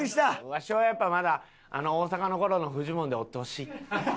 わしはやっぱまだあの大阪の頃のフジモンでおってほしい。